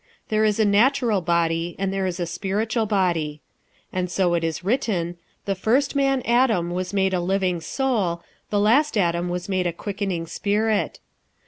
There is a natural body, and there is a spiritual body. 46:015:045 And so it is written, The first man Adam was made a living soul; the last Adam was made a quickening spirit.